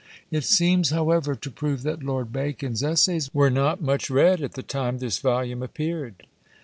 It seems, however, to prove that Lord Bacon's Essays were not much read at the time this volume appeared.